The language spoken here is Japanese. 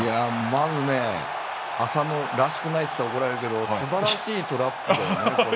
まず浅野らしくないって言ったら怒られるけどすばらしいトラップで。